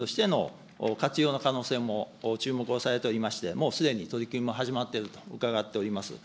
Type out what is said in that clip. また、水産関係では、ブルーカーボンの吸収源としての活用の可能性も注目をされておりまして、もうすでに取り組みも始まっていると伺っています。